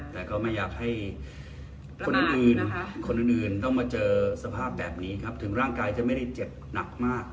แต่ก็ไม่อยากให้คนอื่นคนอื่นต้องมาเจอสภาพแบบนี้ครับถึงร่างกายจะไม่ได้เจ็บหนักมาก